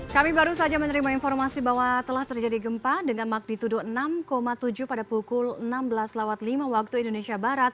kami baru saja menerima informasi bahwa telah terjadi gempa dengan makdituduh enam tujuh pada pukul enam belas lima wib